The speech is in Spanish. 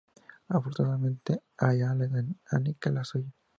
Afortunadamente Aidan le da a Annika la suya.